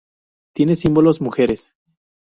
Tiene símbolos mujeres.